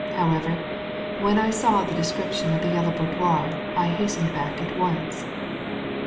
However, when I saw the description of the Yellow Boudoir I hastened back at once."